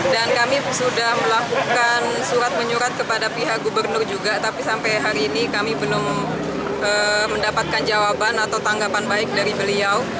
dan kami sudah melakukan surat menyurat kepada pihak gubernur juga tapi sampai hari ini kami belum mendapatkan jawaban atau tanggapan baik dari beliau